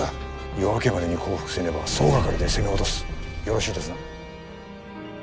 夜明けまでに降伏せねば総がかりで攻め落とすよろしいですな？